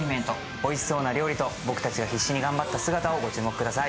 おいしそうな料理と僕たちが必然に頑張った姿を見てください。